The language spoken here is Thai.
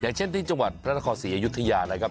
เช่นที่จังหวัดพระนครศรีอยุธยานะครับ